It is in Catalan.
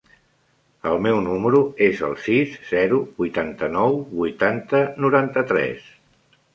El meu número es el sis, zero, vuitanta-nou, vuitanta, noranta-tres.